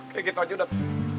kayak gitu aja udah